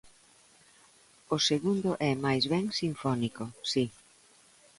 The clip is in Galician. O segundo é máis ben sinfónico, si.